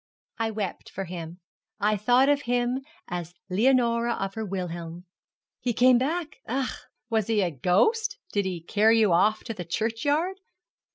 I wept for him; I thought of him as Leonora of her Wilhelm. He came back. Ach!' 'Was he a ghost? Did he carry you off to the churchyard?'